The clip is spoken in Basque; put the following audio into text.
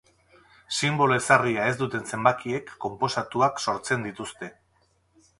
Sinbolo ezarria ez duten zenbakiek, konposatuak sortzen dituzte.